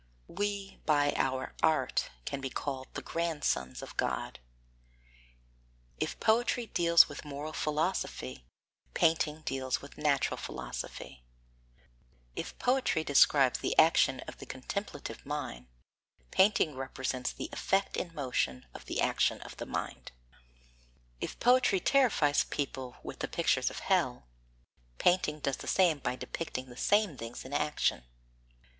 We by our art can be called the grandsons of God. If poetry deals with moral philosophy, painting deals with natural philosophy; if poetry describes the action of the contemplative mind, painting represents the effect in motion of the action of the mind; if poetry terrifies people with the pictures of Hell, painting does the same by depicting the same things in action.